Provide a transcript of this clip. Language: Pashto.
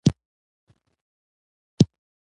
د خط له رامنځته کېدو وروسته د واک بڼه بدله شوه.